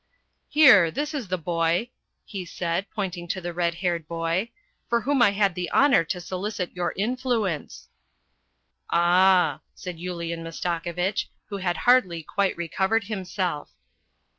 " Here, this is the boy," he said, pointing to the red haired boy, " for whom I had the honour to solicit your influence." " Ah !" said Yulian Mastakovitch, who had hardly quite recovered himself.